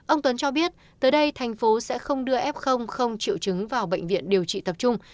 ông tuấn cho biết tới đây thành phố sẽ không đưa f không triệu chứng vào bệnh viện điều trị tập trung